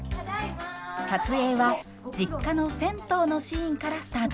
撮影は実家の銭湯のシーンからスタートしました。